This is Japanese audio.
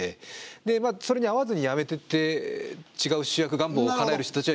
でそれに合わずに辞めてって違う主役願望をかなえる人たちはいると思いますが。